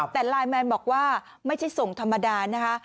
แต่ไลน์แมนบอกว่าไม่ใช่ส่งธรรมดานะคะ